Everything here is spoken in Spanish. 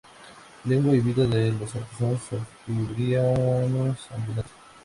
Lengua y vida de los artesanos asturianos ambulantes.